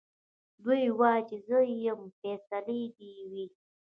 دی وايي چي زه يم فيصلې دي وي